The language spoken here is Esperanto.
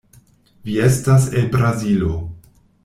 Vi estas el Brazilo.